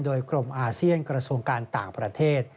โดยกรมอาเซียนกระทรวงการต่างประเทศ